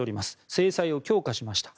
制裁を強化しました。